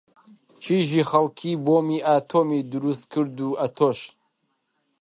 کیژی خەڵکی بۆمی ئاتۆمی دروست کرد و ئەتۆش